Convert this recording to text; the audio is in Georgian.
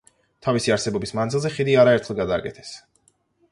თავისი არსებობის მანძილზე ხიდი არაერთხელ გადააკეთეს.